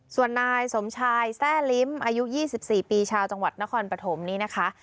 ส่วนนายสมชายแทร่ลิ้มอายุ๒๔ปีชาวจังหวัดนครปฐมนี้นะคะ